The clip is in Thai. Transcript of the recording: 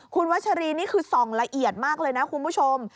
คุณวัชรีนี่คือส่องละเอียดมากเลยนะคุณผู้ชม